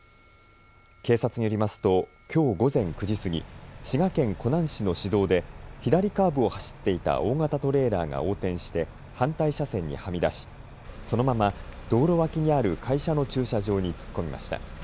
警察によりますときょう午前９時過ぎ、滋賀県湖南市の市道で左カーブを走っていた大型トレーラーが横転して反対車線にはみ出しそのまま道路脇にある会社の駐車場に突っ込みました。